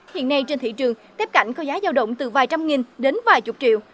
hiện nay trên thị trường tiếp cảnh có giá giao động từ vài trăm nghìn đến vài chục triệu